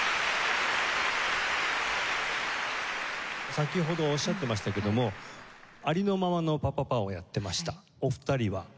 先ほどおっしゃってましたけどもありのままの『パ・パ・パ』をやってましたお二人は。